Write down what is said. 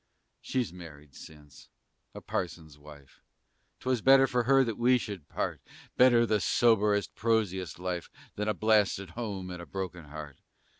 She's married since, a parson's wife: 'Twas better for her that we should part, Better the soberest, prosiest life Than a blasted home and a broken heart.